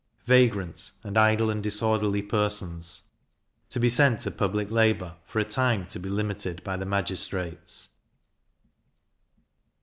Vagrants, and idle and disorderly Persons to be sent to public labour, for a time to be limited by the magistrates.